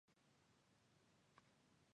دا ځای وينې؟